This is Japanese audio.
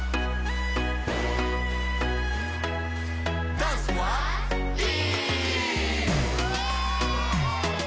ダンスはＥ！